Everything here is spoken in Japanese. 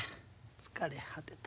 疲れ果てた。